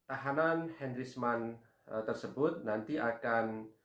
tahanan hendrisman tersebut nanti akan